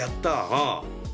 ああ。